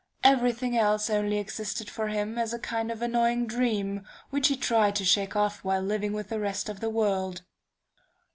Every thing else only existed for him as a kind of annoying dream, which he tried to shake off while living with the rest of the world.